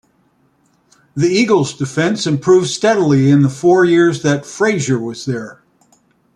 The Eagles defense improved steadily in the four years that Frazier was there.